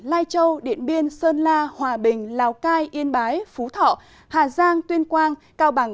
lai châu điện biên sơn la hòa bình lào cai yên bái phú thọ hà giang tuyên quang cao bằng